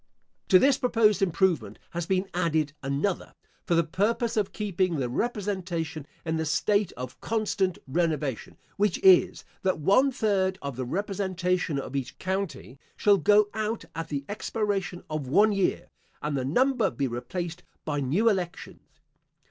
To this proposed improvement has been added another, for the purpose of keeping the representation in the state of constant renovation; which is, that one third of the representation of each county, shall go out at the expiration of one year, and the number be replaced by new elections.